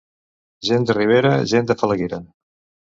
Gent de ribera, gent falaguera.